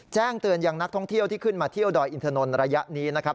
แจ้งเตือนยังนักท่องเที่ยวที่ขึ้นมาเที่ยวดอยอินทนนทระยะนี้นะครับ